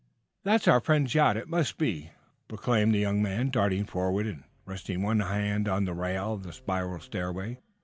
"That's our friends' yacht it must be!" proclaimed the young man, darting forward and resting one hand on the rail of the spiral stairway.